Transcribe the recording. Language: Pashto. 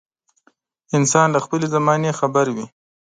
انسان له خپلې زمانې خبر وي.